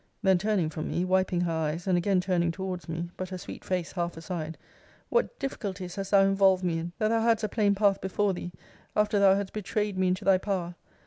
Then turning from me, wiping her eyes, and again turning towards me, but her sweet face half aside, What difficulties hast thou involved me in! That thou hadst a plain path before thee, after thou hadst betrayed me into thy power.